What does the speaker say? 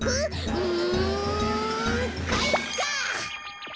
うんかいか！